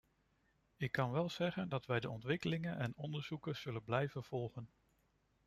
Ik kan wel zeggen dat wij de ontwikkelingen en onderzoeken zullen blijven volgen.